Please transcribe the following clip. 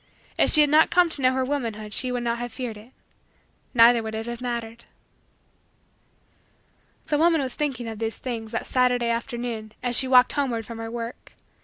If she had not come to know her womanhood she would not have feared it. Neither would it have mattered. The woman was thinking of these things that Saturday afternoon as she walked homeward from her work.